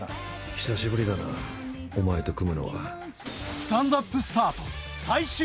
久しぶりだなお前と組むのは。